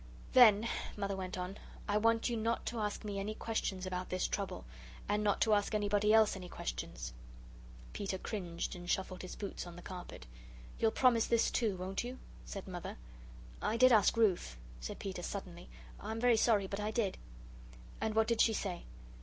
"Then," Mother went on, "I want you not to ask me any questions about this trouble; and not to ask anybody else any questions." Peter cringed and shuffled his boots on the carpet. "You'll promise this, too, won't you?" said Mother. "I did ask Ruth," said Peter, suddenly. "I'm very sorry, but I did." "And what did she say?"